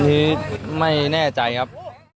ส่วนที่ไม่แน่ใจครับ